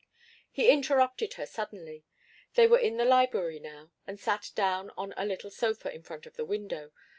He interrupted her suddenly. They were in the library now, and sat down on a little sofa in front of the window.